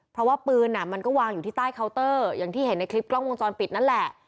เพราะว่าปืนมันก็วางอยู่ที่ใต้เคาน์เตอร์อย่างที่เห็นในคลิปกล้องวงจรปิดนั่นแหละ